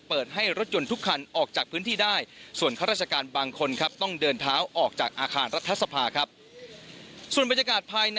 ให้รถยนต์ทุกคันออกจากพื้นที่ได้ส่วนข้าราชการบางคนครับต้องเดินเท้าออกจากอาคารรัฐสภาครับ